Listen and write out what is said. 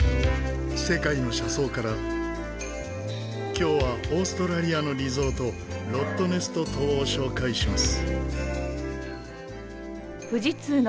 今日はオーストラリアのリゾートロットネスト島を紹介します。